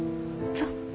そう。